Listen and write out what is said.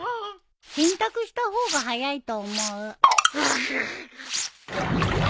洗濯した方が早いと思う。